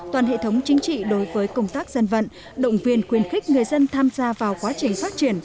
toàn hệ thống chính trị đối với công tác dân vận động viên khuyên khích người dân tham gia vào quá trình phát triển